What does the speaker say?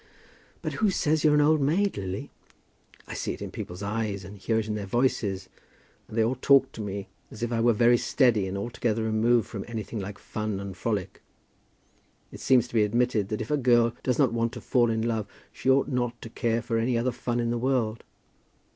"But who says you're an old maid, Lily?" "I see it in people's eyes, and hear it in their voices. And they all talk to me as if I were very steady, and altogether removed from anything like fun and frolic. It seems to be admitted that if a girl does not want to fall in love, she ought not to care for any other fun in the world.